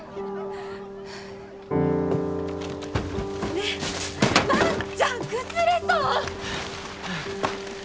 ・ねえ万ちゃん崩れそう！